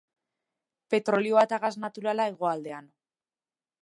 Petrolioa eta gas naturala hegoaldean.